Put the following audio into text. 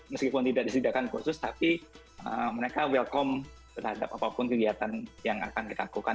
meskipun tidak disediakan khusus tapi mereka welcome terhadap apapun kegiatan yang akan kita lakukan